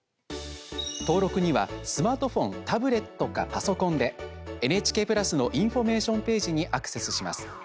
登録には、スマートフォンタブレットかパソコンでＮＨＫプラスのインフォメーションページにアクセスします。